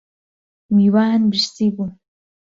میوان برسی بوون